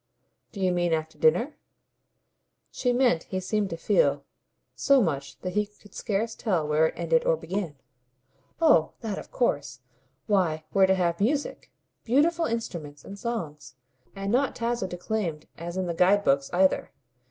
"Do you mean after dinner?" She meant, he seemed to feel, so much that he could scarce tell where it ended or began. "Oh that, of course. Why we're to have music beautiful instruments and songs; and not Tasso declaimed as in the guide books either.